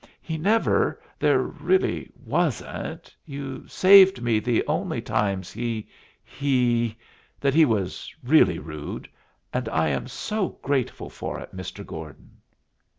He never there really wasn't you saved me the only times he he that he was really rude; and I am so grateful for it, Mr. Gordon."